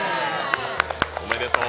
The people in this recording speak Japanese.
おめでとう！